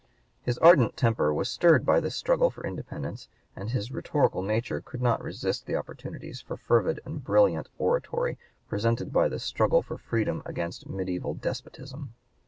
His ardent temper was stirred by this struggle for independence, and his rhetorical nature could not resist the opportunities for fervid and brilliant oratory presented by this struggle for freedom against mediæval despotism.